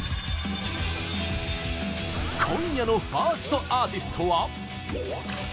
今夜のファーストアーティストは。